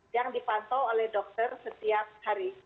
yang dipantau oleh dokter setiap hari